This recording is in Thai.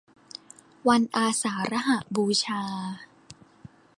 วันอาสาฬหบูชา